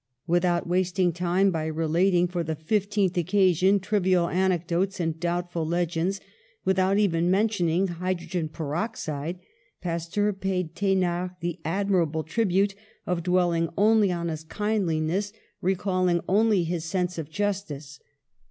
Without wasting time by re lating for the fifteenth occasion trivial anec dotes and doubtful legends, without even men tioning hydrogen peroxide, Pasteur paid The nard the admirable tribute of dwelling only on his kindliness, recalling only his sense of justice.